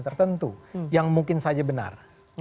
tertentu yang mungkin saja benar